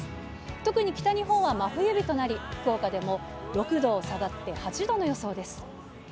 特に北日本は真冬日となり、福岡でも、６度下がって８度の予想です。